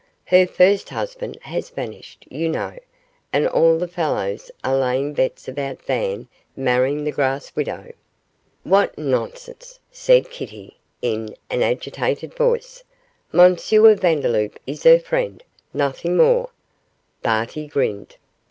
'Her first husband has vanished, you know, and all the fellows are laying bets about Van marrying the grass widow.' 'What nonsense!' said Kitty, in an agitated voice. 'M. Vandeloup is her friend nothing more.' Barty grinned.